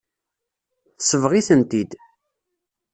Tesbeɣ-itent-id.